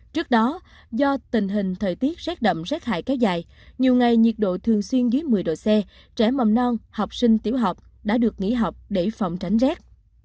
trước đó do tình hình thời tiết rét đậm rét hại kéo dài nhiều ngày nhiệt độ thường xuyên dưới một mươi độ c trẻ mầm non học sinh tiểu học đã được nghỉ học để phòng tránh rét